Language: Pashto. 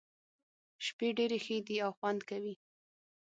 شپې ډېرې ښې دي او خوند کوي.